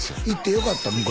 行ってよかった？